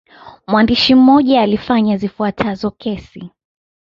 Mwandishi mmoja alifanya zifuatazo kesi.